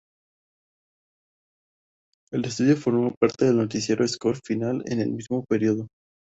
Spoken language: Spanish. En estudio formó parte del noticiero Score Final en el mismo periodo.